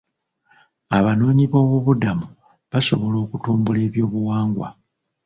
Abanoonyiboobubudamu baasobola okutumbula ebyobuwangwa.